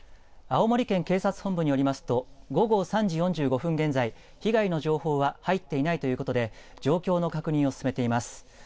青森県警察本部によりますと午後３時４５分現在、被害の情報は入っていないということで状況の確認を進めています。